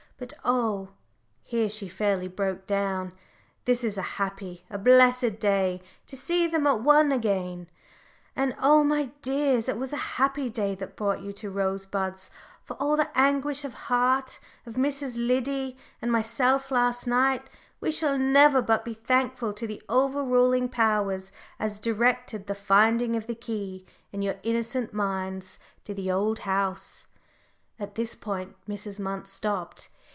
But oh," and here she fairly broke down, "this is a happy, a blessed day to see them at one again, and oh, my dears, it was a happy day that brought you to Rosebuds, for all the anguish of heart of Mrs. Liddy and myself last night, we shall never but be thankful to the over ruling powers as directed the finding of the key, and your innocent minds to the Old House." At this point Mrs. Munt stopped.